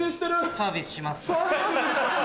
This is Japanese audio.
サービスしますから。